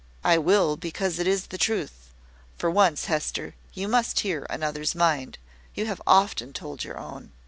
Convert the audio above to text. "I will, because it is the truth. For once, Hester, you must hear another's mind; you have often told your own."